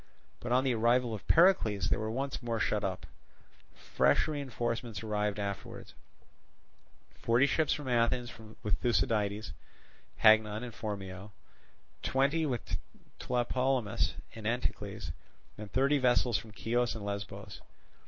But on the arrival of Pericles, they were once more shut up. Fresh reinforcements afterwards arrived—forty ships from Athens with Thucydides, Hagnon, and Phormio; twenty with Tlepolemus and Anticles, and thirty vessels from Chios and Lesbos.